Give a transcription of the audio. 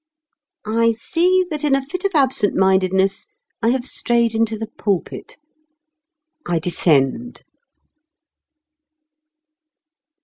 I see that in a fit of absentmindedness I have strayed into the pulpit. I descend.